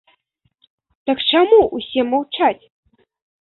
Так чаму ўсе маўчаць?